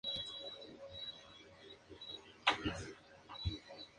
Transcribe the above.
Cuenta con una escuela de nivel secundario.